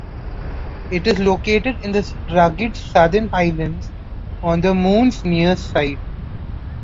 It is located in the rugged southern highlands on the Moon's near side.